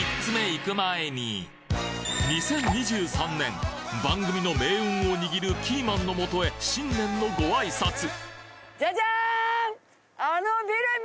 ２０２３年番組の命運を握るキーマンのもとへ新年のご挨拶ジャジャーン！